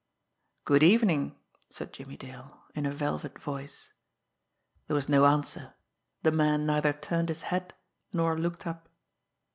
"Good evening!" said Jimmie Dale, in a velvet voice. There was no answer the man neither turned his head, nor looked up.